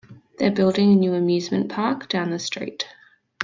They're building a new amusement park down the street.